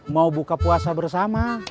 mau buka puasa bersama